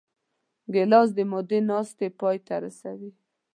ګیلاس د مودې ناستې پای ته رسوي.